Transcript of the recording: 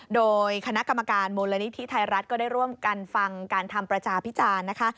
โดยคณะกรรมการมูลนิธิไทยรัฐก็ได้ร่วมกันฟังการทำประชาพิจารณ์นะคะ